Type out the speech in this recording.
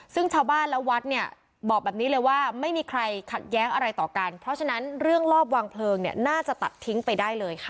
ซึ่งชาวบ้านและวัดเนี่ยบอกแบบนี้เลยว่าไม่มีใครขัดแย้งอะไรต่อกันเพราะฉะนั้นเรื่องรอบวางเพลิงเนี่ยน่าจะตัดทิ้งไปได้เลยค่ะ